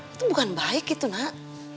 itu bukan baik gitu nak